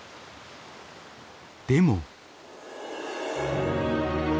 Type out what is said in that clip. でも。